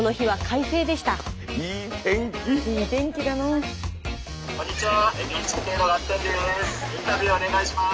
インタビューお願いします。